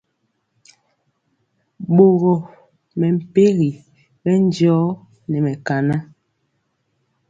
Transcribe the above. Boro mɛmpegi bɛndiɔ nɛ mɛkanan.